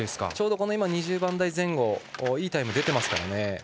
ちょうど２０番台前後でいいタイム出ていますからね。